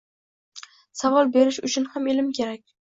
Savol berish uchun ham ilm kerak.